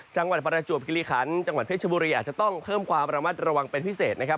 จังหวัดประจวบกิริขันจังหวัดเพชรบุรีอาจจะต้องเพิ่มความระมัดระวังเป็นพิเศษนะครับ